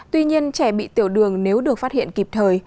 tuy nhiên trẻ bị tiểu đường nếu được phát hiện kịp thời